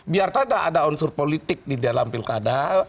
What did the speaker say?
biarkan ada unsur politik di dalam pilkada